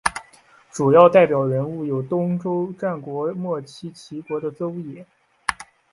主要代表人物有东周战国末期齐国的邹衍。